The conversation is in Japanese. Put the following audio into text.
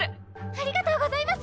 ありがとうございます